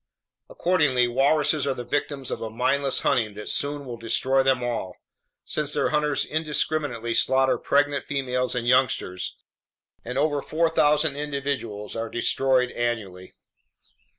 Accordingly, walruses are the victims of a mindless hunting that soon will destroy them all, since their hunters indiscriminately slaughter pregnant females and youngsters, and over 4,000 individuals are destroyed annually.